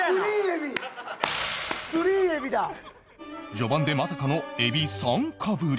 序盤でまさかのエビ３かぶり